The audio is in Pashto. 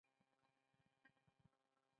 او د رياست سوات دطرف نه د کاڼا تحصيلدار مقرر وو